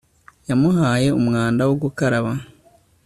yamuhaye umwanda wo gukaraba